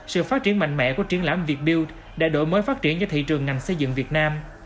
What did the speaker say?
sự phát triển mạnh mẽ của triển lãm vietbild đã đổi mới phát triển cho thị trường ngành xây dựng việt nam